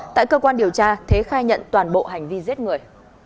tại cơ quan điều tra thế khai nhận toàn bộ hành vi giết người